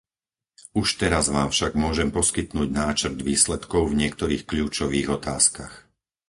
Už teraz vám však môžem poskytnúť náčrt výsledkov v niektorých kľúčových otázkach.